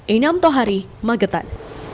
inam tohari magetan